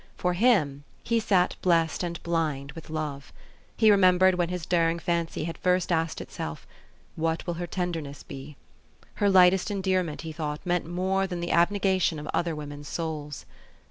For him, he sat blessed and blind with love. He remembered when his daring fancy had first asked itself, " What will her tenderness be? " Her light est endearment, he thought, meant more than the abnegation of other women's souls.